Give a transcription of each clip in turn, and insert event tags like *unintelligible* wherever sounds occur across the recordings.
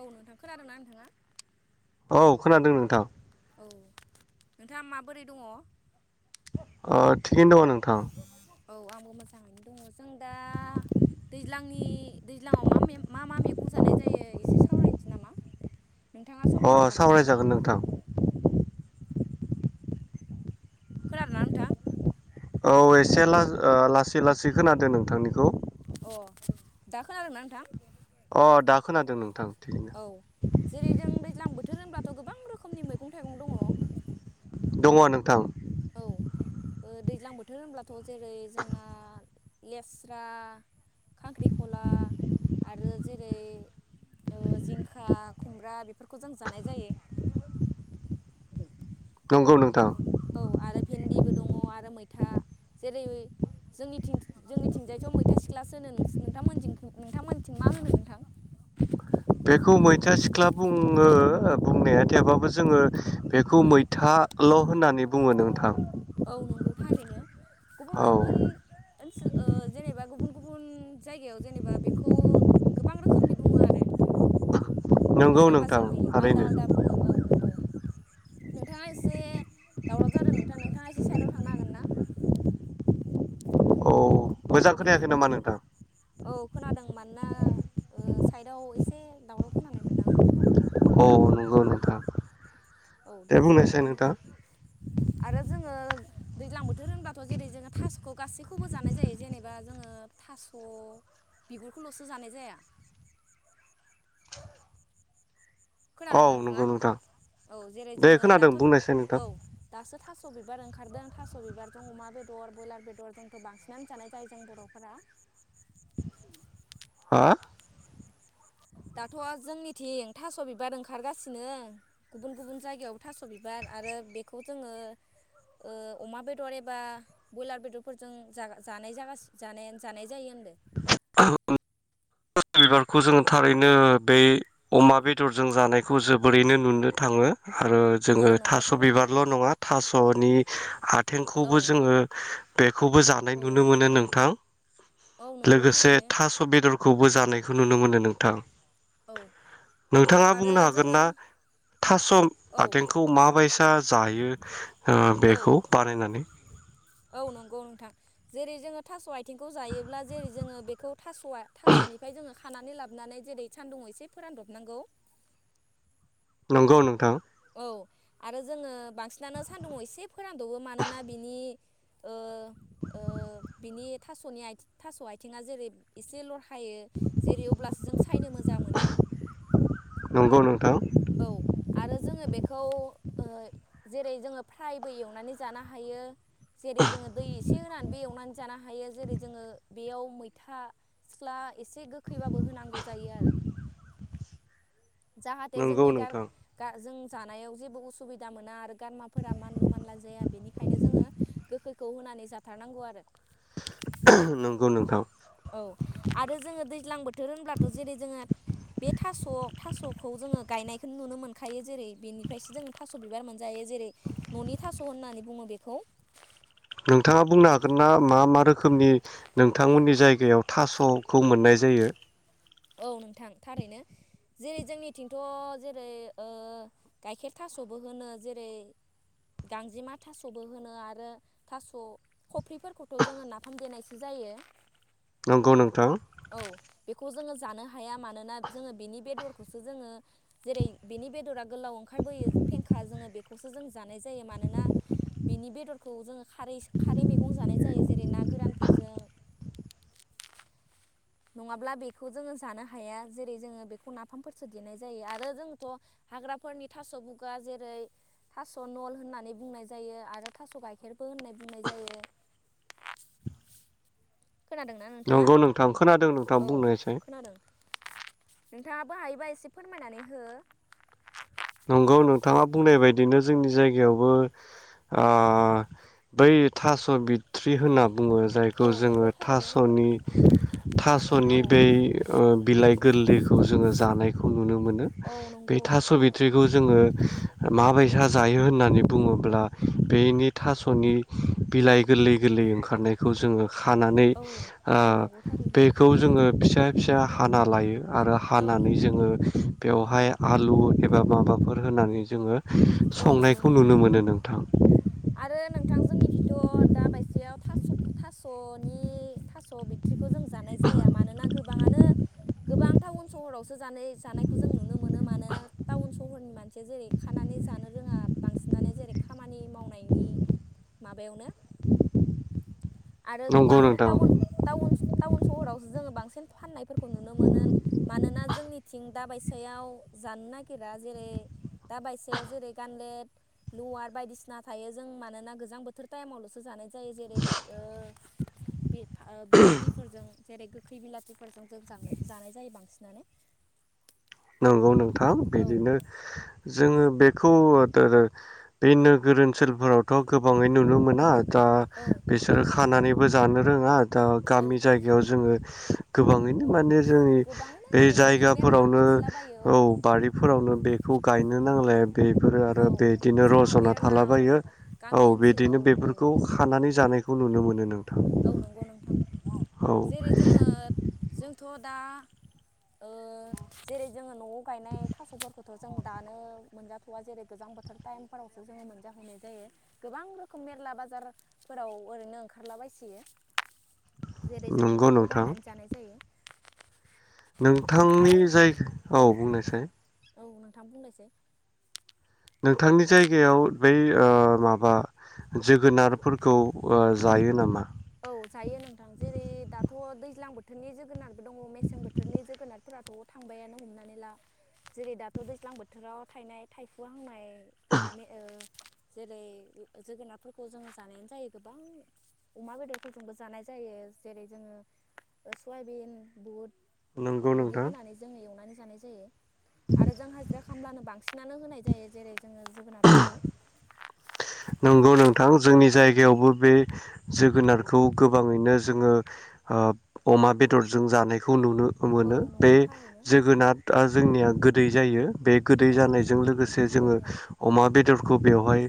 औ नोंथां खोनादों ना नोंथाङा औ खोनादों नोंथां औ नोंथाङा माबोरै दङ'? अ थिगैनो दङ' नोंथां औ आंबो मोजाङैनो दङ' जों दा दैज्लांनि दैज्लाङाव मा मे मा मा मैगं जानाय जायो एसे सावरायनोसै नामा? नोंथाङा सम अ होनो हागोन ना सावराय जागोन नोंथां खोनादोंना नोंथां? औ एसे ला ओ लासै लासै खोनादों नोंथांनिखौ अ दा खोनादोंना नोंथां? अ दा खोनादों नोंथां थिगैनो औ जेरै जों दैज्लां बो थोर होनबाथ' गोबां रोखोमनि मैगं थाइगं दङ' दङ' नोंथां औ ओ दैज्लां बोथोर होनब्लाथ' जेरै जोंना लेस्रा खांख्रिखला आरो जेरै ओ जिंखा खुमब्रा बेफोरखौ जों जानाय जायो नंगौ नोंथां औ आरो भेन्दिबो दङ' आरो मैथा जेरै जोंनिथिं-जोंनिथिंजायथ' मैथा सिख्लासो होनो नोंथांमोनथि-नोंथांमोनथिं मा होनो नोंथां? बेखौ मैथा सिख्ला बुङो बुंनाया थेबाबो जोङो बेखौ मैथाल' होननानै बुङो नोंथां औ नंगौ थारैनो गुबुन औ गुबुन ओनसोल ओ जेनेबा गुबुन गुबुन जायगायाव जेनेबा बेखौ गोबां रोखोमनि बुङो आरो नंगौ सोरबा नोंथां सोरबि आलदा थारैनो आलादा बुङो औ नंगौ नोंथाङा एसे दावराव जादों नोंथाङा नों नोंथाङा एसे साइदाव थांनो हागोनना? औ मोजां खोनायाखै नामा नोंथां? औ खोनादों मानोना ओ साइदाव एसे दावराव खोनानाय मोनदों आङो औ नंगौ नोंथां औ दे जेबो बुंनायसाय नङा नोंथां आरो जोङो दैज्लां बोथोर होनबाथ' जेरै जोङो थास'खौ गासैखौबो जानाय जायो जेनेबा जोङो थास' बिगुरखौल'सो जानाय जाया औ खोनादोंना नोंथाङा? नंगौ नोंथां औ जेरै दे जोङो खोनादों दाथ' बुंनायसाय नोंथां औ दासो थास' बिबार ओंखारदों थास' बिबारजों अमा बेदर ब्रयलार बेदर जोंथ' बांसिनानो जानाय जायो जों बर'फोरा। हो। दाथ' जोंनिथिं थास' बिबार ओंखारगासिनो गुबुन गुबुन जायगायाव थास' बिबार आरो बेखौ जोङो ओ अमा बेदर एबा ब्रयलार बेदरफोरजों जा-जानाय जागा जानायानो जायो होनदों। बिबारखौ जों थारैनो बे अमा बेदरजों जानायखौ जोबोरैनो नुनो थाङो। आरो औ जोङो नंगौ थास' थारैनो बिबारल' नङा थास' नि खा थेंखौबो औ जोङो खौबो जानाय नुनो औ मोनो नोंथां औ नंगौ लोगोसे थारैनो थास' बेदरखौबो जा नायखौ नुनो मोनो नोंथां। औ नोंथाङा आरो बुंनो जोङो हागोनना? थास' औ आथेंखौ माबायसा जायो ओ औ बेखौ बानायनानै। औ नंगौ नोंथां जेरै जोङो थास' आथिंखौ जायोब्ला जेरै जोङो बेखौ थास'आ थास'निफ्राय जोङो खानानै लाबोनानै जेरै सानदुङाव एसे फोरानदबनांगौ। नंगौ नोंथां। औ आरो जोङो बांसिनानो सान्दुंङाव एसे फोरानदबो मानोना बिनि ओ ओ बिनि थास'नि थास' आथिङा जेरै एसे ल। जायों जेरै जों अब्लासो सायनो मोजां मोनो नंगौ नोंथां औ आरो। बेखौ ओ जेरै जोङो फ्रायबो एवनानै जानो हायो। जेरै जोङो दै एसे होनानैबो एवनानै जाना हायो जेरै जोङो बेयाव मैथा सिख्ला एसे गोखैबाबो होनांगौ जायो आरो जाहाथे नंगौ जोंनि गार नोंथां जों जानायाव जेबो उसुबिदा मोना आरो गारमाफोरा मानलु मानला जाया बेनिखायनो जोङो गोखैखौ होनानै जाथारनांगौ आरो। नंगौ नोंथां। औ आरो जोङो दैज्लां बोथोर होनब्लाथ' जेरै जोङो बे थास' थास'खौ जोङो गायनायखौनो नुनो मोनखायो जेरै बेनिफ्रायसो जोंङो थास' बिबार मोनजायो जेरै न'नि थास' होननानै बुङो बेखौ। नोंथाङा बुंनो हागोनना मा मा रोखोमनि नोंथांमोननि जायगायाव थास'खौ मोननाय जायो। औ नोंथां थारैनो जेरै जोंनिथिंथ' जेरै गाइखेर थास'बो होनो जेरै गांजेमा थास'बो होनो आरो थास' खफ्रिफोरखौथ' जोङो नाफाम देनायसो जायो। नंगौ नोंथां। औ बेखौ खौ जानो हाया मानोना जों बिनि बेदरखौसो जों जेरै बेदरा गोलाव ओंखारबोयो फेंखा जोङो बेखौ खौ जों जानाय जायो मानोना बिनि बेदरखौ जोङो खारैस खारै मैगं जानाय जायो जेरै ना गोरानफोरजों। नङाब्ला बेखौ जोङो जानो हाया जेरै जोङो बेखौ नाफामफोरसो देनाय जायो आरो जोंथ' हाग्राफोरनि थास' बुगा जेरै थास' नल होननानै बुंनाय जायो आरो थास' गाइखेरबो होननानै बुंनाय जायो। खोनादोंना नोंथाङा नंगौ नोंथां खोनादों। नोंथां औ बुंनायसाय खोनादों। नोंथाङाबो हायोबा एसे फोरमायनानै हो। नंगौ नोंथाङा बुंनाय बायदिनो जोंनि जायगायावबो आ बै थास' बिथ्रि होनना बुङो औ जायखौ जोङो नंगौ थारैनो थास'नि थास'नि औ बै ओ बिलाइ गोरलैखौ जोङो जानायखौ नुनो मोनो। मोनो औ बे नंगौ थास'बि बेखौ जोङो माबाय जायो होननानै बुङोब्ला बेनि थास'नि बिलाइ गोरलै गोरलै ओंखारनायखौ जोङो खानानै औ आ औ नंगौ थारैनो बेखौ जोङो फिसा फिसा हाना लायो आरो औ हानानै नंगौ जोङो बेवहाय आलु ओ माबाफोर होनानै जोङो औ नंगौ संनायखौ नोंथां नुनो मोनो नोंथां आरो नोंथां जोंनिखिथ' दा बायसेयाव थास' थास'नि थास' बिथट्रि जों जानाय जाया मानोना गोबां आनो गोबां टाउन सोहोरावसो जानाय जानायखौ जों नुनो मोनो मानोना टाउन सोहोरनि मानसिया जेरै खानानै जानो रोङा बांसिनानो जेरै खामानि मावनायनि माबायावनो आरो नंगौ गोबां नोंथां टाउन सहरावसो जोङो बांसिन फाननायफोरखौ नुनो मोनो मानोना जोंनिथिं दाबायसायाव जानो नागिरा जेरै दा सायाव जेरै गानलेट लुवार बायदिसिना थायो जों मानोना गोजां बोथोर टाइमावल'सो जानाय जायो जेरै बिलाथिफोरजों जेरै गोखै बिलाथिफोरजों जों जानाय जायो बांसिनानो औ औ नोंथ थाम औ बिदिनो जोङो बेखौ बे नोगोर ओनसोलफोरावथ' गोबाङै नुनो मोना दा औ बिसोरो नंगौ थारैनो खानानैबो जानो रोङा दा औ गामि जायगायाव जोङो गोबाङैनो औ माने जोंनि गोबाङैनो बे ओरैनो मेरला जायगाफोरावनो मोनसलाबायो औ बारिफोरावनो बेखौ गायनो नांलाया बेफोरो आरो औ बेदिनो जोंनाव रज'ना मेरला औ थालाबायो औ गामि ओनसोलाव बिदिनो औ बेफोरखौ खनानै जानायखौ नुनो मोनो नों औ नंगौ नोंथां जेरै जोङो जोंथ' दा जेरै जोङो न'आव गायनाय थ'फोरखौ थ' जों दानो मोनजाथ'वा जेरै गोजां बोथोर टाइमफोरावसो जोङो मोनजाहैनाय जायो गोबां रोखोम मेरला बाजारफोराव ओरैनो ओंखारलाबायसि *inaudible* जेरै जों नंगौ बेफोरखौ नोंथां बायनानै जानाय जायो नोंथांनि आरो जाय औ बुंनायसै औ नोंथां बुंलायसै नोंथांनि जायगायाव बै माबा जोगोनारफोरखौ जायो नामा औ जायो नोंथां जेरै दाथ' दैज्लां बोथोरनि जोगोनारबो दङ मेसें बोथोरनि जोगोनारफोराथ' थांबायानो हमनानै ला जेरै दाथ' दैज्लां बोथोराव थायनाय थायफु हांनाय नि ओ जेरै जोगोनारफोरखौ जोङो जानायानो जायो गोबां। अमा बेदरफोरजोंबो जानाय जायो जेरै जोङो सयाबिन नंगौ बुट बिदि नोंथां? होनानै जोङो एवनानै जानाय जायो। आरो जों हाजिरा खाम्लानो बां थिनानै होनाय जायो जेरै जोङो जोगोनारफोरखौ। नंगौ नोंथां। जोंनि औ जायगायावबो बे जोगोनार खौ गोबाङैनो जोङो अमा बेदरजों जानायखौ नुनो औ मोनो बे नंगौ थारैनो जोगोनादआ जोंनिया गोदै जायो। बे गोदै औ जानायजों लोगोसे जोङो थारैनो अमा बेदर बेखौ बेवहाय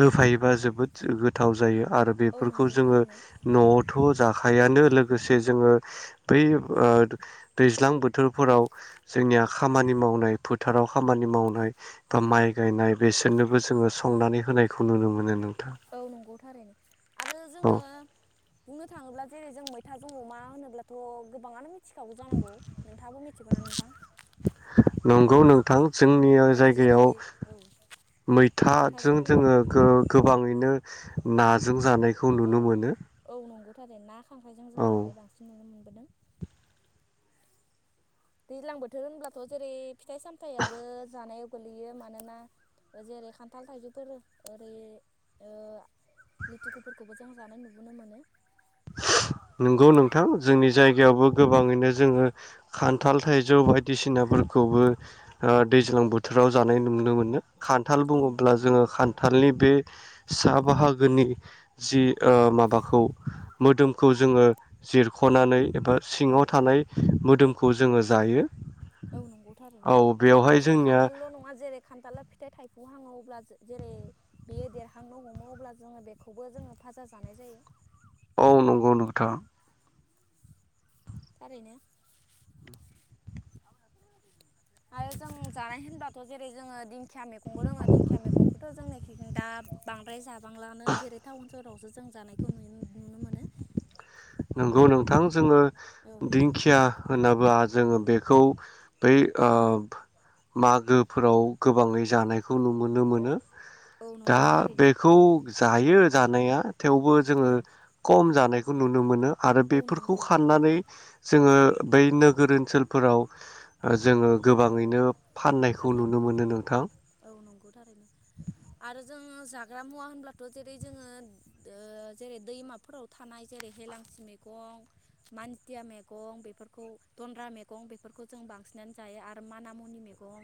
होफायोबा जोबोद गोथाव जायो। आरो औ बेफोरखौ नंगौ जोङो थारैनो न'आवथ' जाखायानो लोगोसे जोङो बै ओ दैज्लां बोथोरफोराव जोंनिया खामानि मावनाय फोथाराव खामानि मावनाय बा माइ गायनाय बेसोरनोबो जोङो संनानै होनाय खौ नुनो मोनो नों औ नंगौ थारैनो आरो औ जोङो बुंनो थाङोब्ला जेरै जों मै थाजों अमा होनोब्लाथ' गोबाङानो मिथिखागौ जानांगौ नोंथाङाबो मिथिगौ ना नोंथां? गौ नोंथां। जोंनि ओ जेरै जायगायाव औ मैथाजों जोङो गोगोम गोबाङैनो नाजों जानाय बेखौ औ नुनो मोनो। औ नंगौ थारै ना खांख्राइजों जों औ जानाय बांसिन नुनो मोनबोदों। दैज्लां बोथोर होनब्लाथ' जेरै फिथाइ सामथायाबो जानायाव गोग्लैयो मानोना जेरै खान्थाल थाइजौफोरो ओरै ओ लिथुक फोरखौबो जों जानाय नुबोनो मोनो। नंगौ नोंथां जोंनि जायगायावबो गोबाङैनो जोङो खान्थाल थाइजौ बायदिसिनाफोरखौबो ओ दैज्लां बोथोराव जानाय नुनो मोनो। खान्थाल औ बुङोब्ला नंगौ जोङो खान्थालनि बे सा बाहागोनि जि ओ माबाखौ मोदोमखौ जोङो जिरख'नानै एबा औ सिङाव थानाय मोदोमखौ जोङो जायो। औ नंगौ थारैनो औ बेवहाय आरो जों जोंनिया खान्थालल' नङा जेरै खान्थाला फिथाइ थाइ हुहांआव अब्ला जेरै बेयो देरहांनो हमो अब्ला जोङो बेखौबो जोङो फाजा जानाय जायो। औ नंगौ नोंथां। थारैनो। आरो जों जानाय होनबाथ' जेरै जोङो दिंखिया मैगंबो दोङो दिंखिया मैगंखौथ' जोंनिखि दा बांद्राय जा गोबां लानो जेरै टाउन सहरावसो जों जानायखौ नु नुनो मोनो। *inaudible* नंगौ नोंथां जोङो औ दिंखिया होनोबा जोङो बेखौ बै ओ मागोफोराव गोबाङै जानायखौ नुनो मोनो। औ दा नंगौ थारैनो बेखौ जायो जानाया। थेवबो औ जोङो खम जानाय *unintelligible* नुनो मोनो। आरो औ बेफोरखौ नंगौ खानानै जोङो बै नोगोर ओनसोलफोराव ओ जोङो औ गोबाङैनो फाननायखौ नुनो मोनो नोंथां। औ नंगौ ग्रा मुवा होनब्लाथ' जेरै जोङो ओ जेरै दैमाफोराव थानाय जेरै हेेलांसि मेगं, मान्थिया मेगं बेफोरखौ दन्द्रा मेगं बेफोरखौ जों बांसिनानो जायो आरो मानामुनि मेगं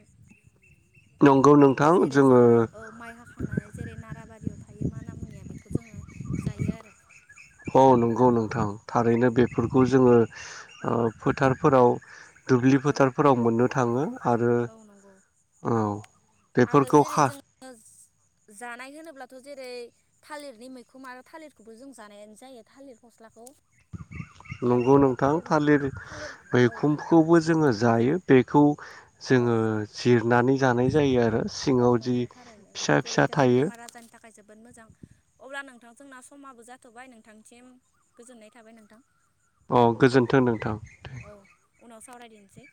नंगौ नोंथां जेरै जोङो औ माइ हाखांनानै जेरै नाराबारियाव थायो मानामुनिया बेखौ जोङो जायो आरो। औ नंगौ नोंथां औ थारैनो बेफोरखौ जोङो औ ओ फोथारफोराव दुब्लि औ फोथारफोराव मोननो थाङो। आरो औ नंगौ औ। आरो बेफोरखौ जेरै खा जों ओ जानाय होनोब्लाथ' जेरै थालिरनि मैखोम आरो थालिरखौबो जों जानायानो जायो थालिर फस्लाखौ। आरो नंगौ जेरै नोंथां मैखुनखौ थालिर थालिर औ मैखुनखौबो जोङो जायो बेखौ औ जोङो जिरनानै जानाय जायो आरो औ सिङाव जि नंगौ थारैनो फिसा जेरै फिसा जोंनि थायो बेमार आजारनि थाखाय जो बोद मोजां। अब्ला नोंथां जोंना समाबो जाथ'बाय नोंथांसिम गोजोननाय थाबाय नोंथां। अ गोजोन्थों नोंथां। औ उनाव सावरायदिनसै।